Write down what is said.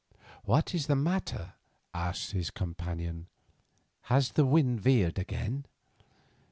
"What is the matter?" asked his companion. "Has the wind veered again?"